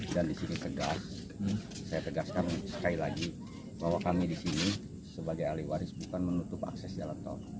dan disini tegas saya tegaskan sekali lagi bahwa kami disini sebagai ahli waris bukan menutup akses jalan tol